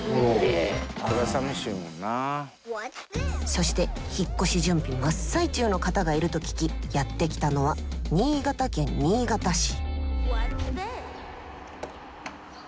そして引っ越し準備真っ最中の方がいると聞きやって来たのは新潟県新潟市。